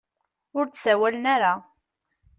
Ur d-sawalen ara.